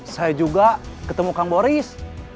saya juga ketemu kang boris